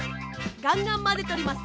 ガンガンまぜております。